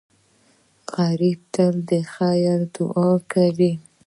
غریب تل د خیر دعا کوي